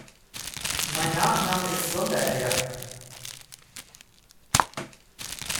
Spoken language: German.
Mein Nachname ist Sonderegger.